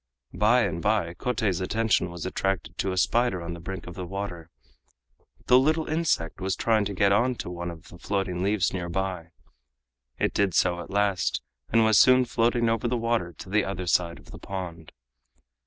By and by, Kotei's attention was attracted to a spider on the brink of the water. The little insect was trying to get on to one of the floating leaves near by. It did so at last, and was soon floating over the water to the other side of the pond.